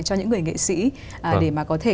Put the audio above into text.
cho những người nghệ sĩ để mà có thể